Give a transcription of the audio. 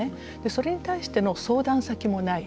それに対しての相談先もない。